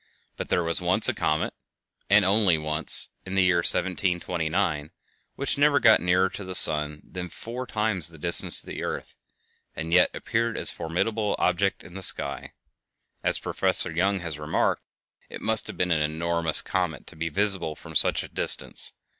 But there was once a comet (and only once—in the year 1729) which never got nearer to the sun than four times the distance of the earth and yet appeared as a formidable object in the sky. As Professor Young has remarked, "it must have been an enormous comet to be visible from such a distance."